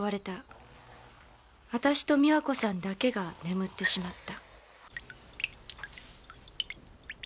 私と美和子さんだけが眠ってしまった。